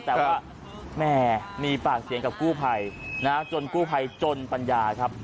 แต่ว่าแม่มีปากเสียงกับกู้ภัยนะจนกู้ภัยจนปัญญาครับ